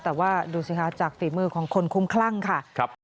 แต่ว่าดูสิคะจากฝีมือของคนคุ้มคลั่งค่ะ